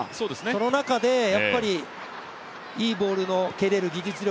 その中でいいボールの蹴れる技術力